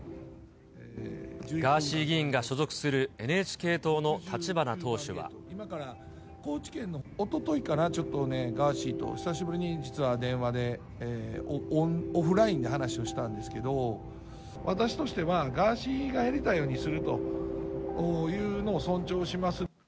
ガーシー議員が所属するＮＨおとといかな、ちょっとね、ガーシーと久しぶりに実は電話でオフラインで話をしたんですけど、私としては、ガーシーがやりたいようにするというのを尊重します。